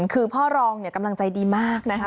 คือพ่อรองเนี่ยกำลังใจดีมากนะคะ